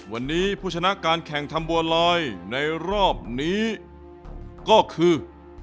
วันนี้ผู้ชนะการแข่งทำบัวลอยในรอบนี้ก็คือ